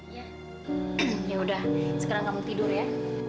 ya yaudah sekarang kamu tidur ya